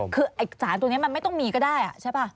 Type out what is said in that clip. คือไอ้สารตัวนี้มันไม่ต้องมีก็ได้ใช่ป่ะ